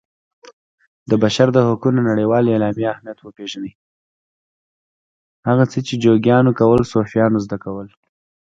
هغه څه چې جوګیانو کول صوفیانو زده کړل.